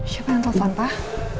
siapa yang telpon pak